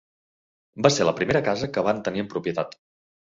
Va ser la primera casa que van tenir en propietat.